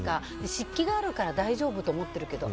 湿気があるから大丈夫と思っているけど。